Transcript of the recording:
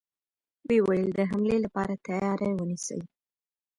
و يې ويل: د حملې له پاره تياری ونيسئ!